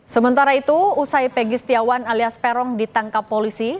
sementara itu usai pegi setiawan alias peron ditangkap polisi